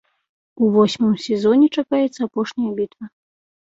У восьмым сезоне чакаецца апошняя бітва.